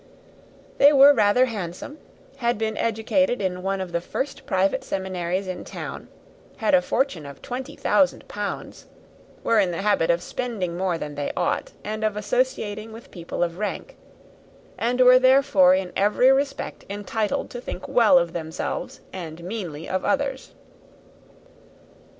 They were rather handsome; had been educated in one of the first private seminaries in town; had a fortune of twenty thousand pounds; were in the habit of spending more than they ought, and of associating with people of rank; and were, therefore, in every respect entitled to think well of themselves and meanly of others.